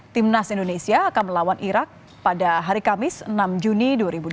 timnas indonesia akan melawan irak pada hari kamis enam juni dua ribu dua puluh